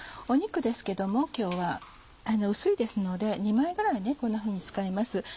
お肉ですけども今日は薄いですので２枚ぐらいこんなふうに使います。